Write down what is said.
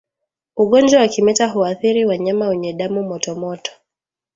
Ugonjwa wa kimeta huathiri wanyama wenye damu motomoto